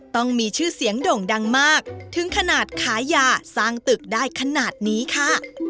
ต้องมีชื่อเสียงด่งดังมากถึงขนาดขายยาสร้างตึกได้ขนาดนี้ค่ะ